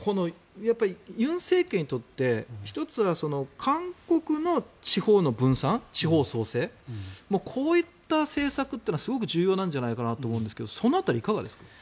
尹政権にとって１つは韓国の地方の分散、地方創生こういった政策というのはすごく重要じゃないかなと思うんですがその辺りいかがですか？